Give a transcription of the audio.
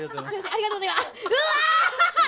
ありがとうございますうわ！